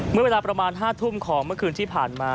เมื่อเวลาประมาณ๕ทุ่มของเมื่อคืนที่ผ่านมา